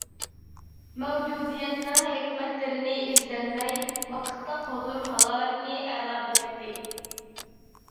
مەۋجۇدىيەتنىڭ ھېكمەتلىرىنى ئىزدەنمەي، ۋاقىتلىق ھۇزۇر-ھالاۋەتنى ئەلا بىلەتتى.